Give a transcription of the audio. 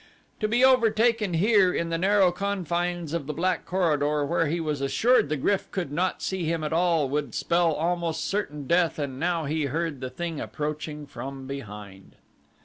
To be overtaken here in the narrow confines of the black corridor where he was assured the GRYF could not see him at all would spell almost certain death and now he heard the thing approaching from behind.